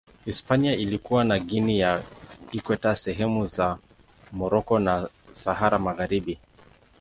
Hispania ilikuwa na Guinea ya Ikweta, sehemu za Moroko na Sahara Magharibi.